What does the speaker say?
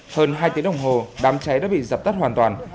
hơn hai tiếng đồng hồ đám cháy đã bị dập tắt hoàn toàn